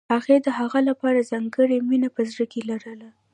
هغې د هغه لپاره ځانګړې مینه په زړه کې لرله